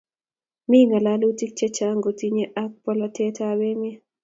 Mi ng'alalutik chechang' kotinykey ak polatet ap emet